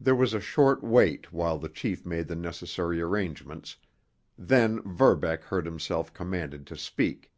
There was a short wait while the chief made the necessary arrangements, then Verbeck heard himself commanded to speak.